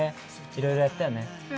いろいろやったよね？